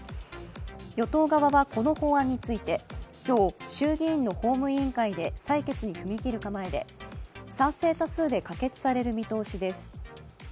与党側は、この法案について今日、衆議院の法務委員会で採決に踏み切る構えで賛成多数で可決される見通しです。